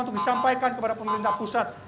untuk disampaikan kepada pemerintah pusat